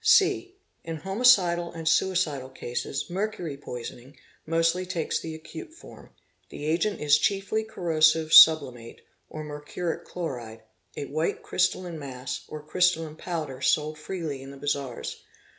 || (c) In homicidal and suicidal cases, mercury poisoning mostly takes the acute form. The agent is chiefly corrosive sublimate, or mer — curic chloride—a white crystalline mass or crystalline powder sold freely in the bazaars.